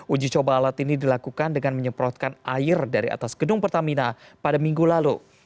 uji coba alat ini dilakukan dengan menyemprotkan air dari atas gedung pertamina pada minggu lalu